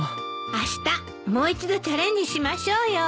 あしたもう一度チャレンジしましょうよ。